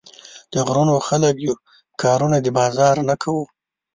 د غرونو خلک يو، کارونه د بازار نۀ کوو